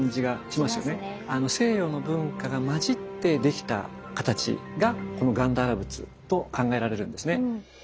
西洋の文化が混じって出来た形がこのガンダーラ仏と考えられるんですね。